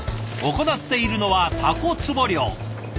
行っているのはタコ壺漁。